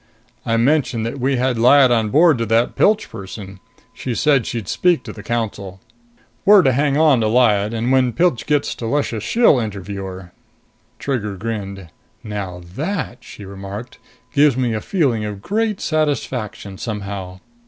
"I mentioned that we had Lyad on board to that Pilch person. She said she'd speak to the Council. We're to hang on to Lyad and when Pilch gets to Luscious she'll interview her." Trigger grinned. "Now that," she remarked, "gives me a feeling of great satisfaction, somehow.